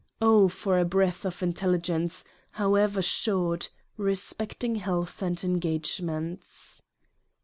Oh for a Breath of Intelligence, however Short, respecting Health and En gagements.